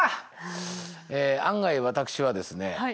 え案外私はですね